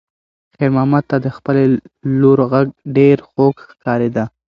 خیر محمد ته د خپلې لور غږ ډېر خوږ ښکارېده.